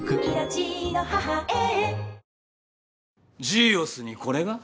ジーオスにこれが？